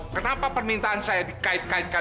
kenapa permintaan saya dikait kaitkan